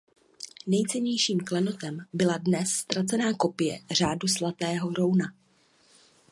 Nejcennějším klenotem byla dnes ztracená kopie Řádu Zlatého rouna.